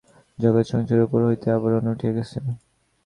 জগৎসংসারের উপর হইতে আবরণ উঠিয়া গেছে।